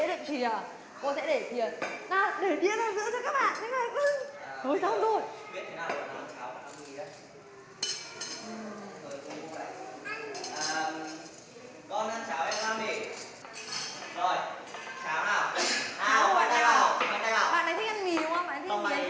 à con ăn cháo em làm để